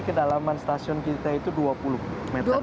kedalaman stasiun kita itu dua puluh meter